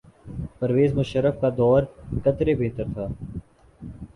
پرویز مشرف کا دور قدرے بہتر تھا۔